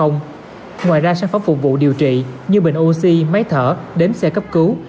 ngoài ra sản phẩm phục vụ điều trị như bệnh oxy máy thở đếm xe cấp cứu